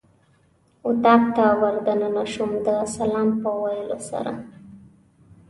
اتاق ته ور دننه شوم د سلام په ویلو سره.